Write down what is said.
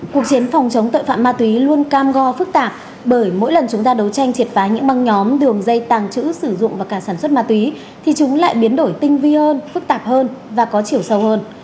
cuộc chiến phòng chống tội phạm ma túy luôn cam go phức tạp bởi mỗi lần chúng ta đấu tranh triệt phá những băng nhóm đường dây tàng trữ sử dụng và cả sản xuất ma túy thì chúng lại biến đổi tinh vi hơn phức tạp hơn và có chiều sâu hơn